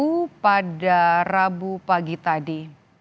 di kantor kpu pada rabu pagi tadi